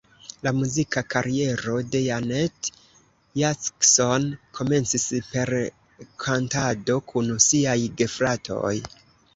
La muzika kariero de Janet Jackson komencis per kantado kun siaj gefratoj.